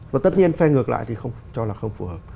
và tất nhiên phe ngược lại thì không cho là không phù hợp